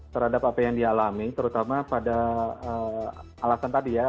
terhadap apa yang dialami terutama pada alasan tadi ya